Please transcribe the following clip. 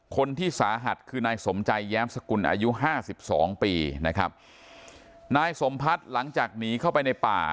คนที่สาหัสคือนายสมใจแย้มสกุลอายุห้าสิบสองปีนะครับนายสมพัฒน์หลังจากหนีเข้าไปในป่า